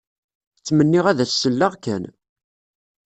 Ttmenniɣ ad as-selleɣ kan.